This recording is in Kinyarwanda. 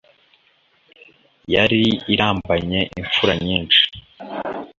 yari irambanye imfura nyinshi